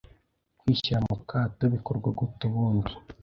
Kwishyira mu kato bikorwa gute ubundi